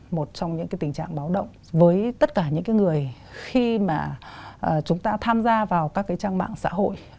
một trong những tình trạng báo động với tất cả những người khi mà chúng ta tham gia vào các trang mạng xã hội